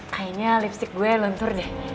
kayaknya lipstick gue luntur deh